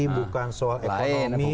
bukan soal ekonomi